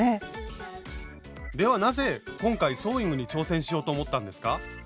ではなぜ今回ソーイングに挑戦しようと思ったんですか？